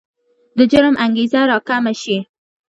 د جرم انګېزه راکمه شي.